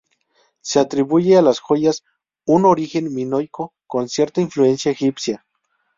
Se atribuye a las joyas un origen minoico con cierta influencia egipcia.